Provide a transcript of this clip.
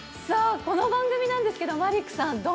さあこの番組なんですけどマリックさん